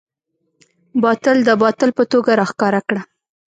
باطل د باطل په توګه راښکاره کړه.